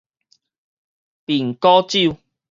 蘋果酒